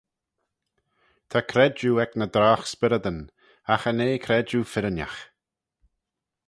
Ta credjue ec ny drogh-spyrrydyn, agh cha nee credjue firrinagh.